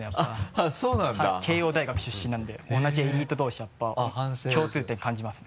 はい慶應大学出身なので同じエリート同士やっぱ共通点感じますね。